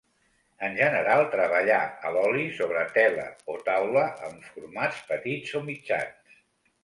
En general treballà a l’oli sobre tela o taula, en formats petits o mitjans.